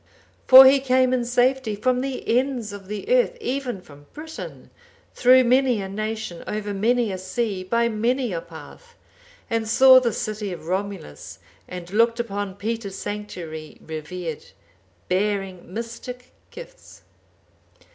For he came in safety from the ends of the earth, even from Britain, through many a nation, over many a sea, by many a path, and saw the city of Romulus and looked upon Peter's sanctuary revered, bearing mystic gifts.